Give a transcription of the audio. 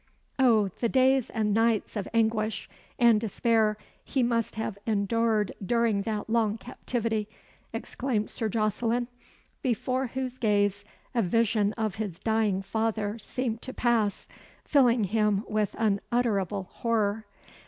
"O, the days and nights of anguish and despair he must have endured during that long captivity!" exclaimed Sir Jocelyn, before whose gaze a vision of his dying father seemed to pass, filling him with unutterable horror.